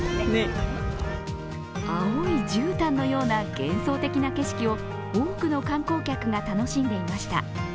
青いじゅうたんのような幻想的な景色を多くの観光客が楽しんでいました。